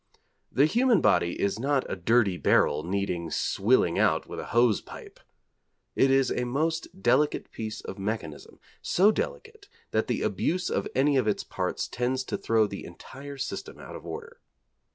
The human body is not a dirty barrel needing swilling out with a hose pipe. It is a most delicate piece of mechanism, so delicate that the abuse of any of its parts tends to throw the entire system out of order.